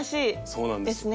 そうなんですよ。